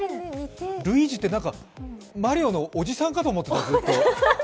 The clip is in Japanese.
ルイージって、マリオのおじさんかと思ってた、ずっと。